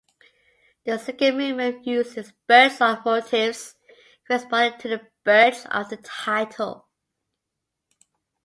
The second movement uses bird song motifs corresponding to the birds of the title.